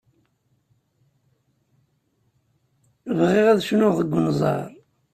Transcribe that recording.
Bɣiɣ ad cnuɣ deg unẓar.